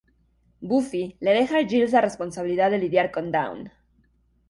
Buffy le deja a Giles la responsabilidad de lidiar con Dawn.